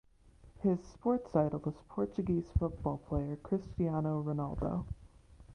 His sports idol is Portuguese football player Cristiano Ronaldo.